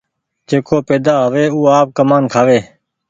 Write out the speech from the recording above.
جيڪو پيدآ هووي او آپ ڪمآن کآئي۔